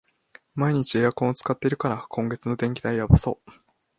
毎日エアコン使ってるから、今月の電気代やばそう